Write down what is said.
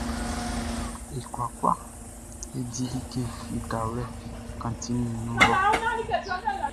E kwlakwla e di like likawlɛ kantinʼn nun lɔ.